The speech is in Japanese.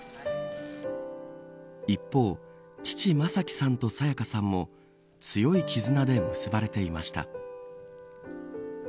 一方、父、正輝さんと沙也加さんも強い絆で結ばれていました。